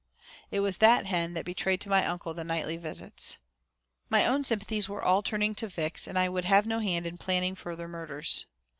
It was that hen that betrayed to my uncle the nightly visits. My own sympathies were all turning to Vix, and I would have no hand in planning further murders.